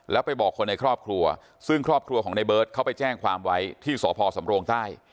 แล้วไปบอกคนในครอบครัวซึ่งครอบครัวของในเบิร์ตเขาไปแจ้งความไว้ที่สพสำโรงใต้